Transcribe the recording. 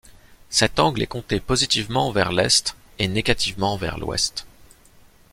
Cet angle est compté positivement vers l'est et négativement vers l'ouest.